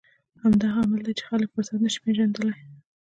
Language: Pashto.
همدا لامل دی چې خلک فرصت نه شي پېژندلی.